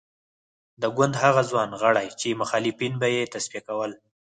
د ګوند هغه ځوان غړي چې مخالفین به یې تصفیه کول.